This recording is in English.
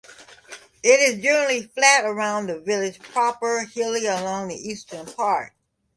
It is generally flat around the village proper and hilly along the eastern part.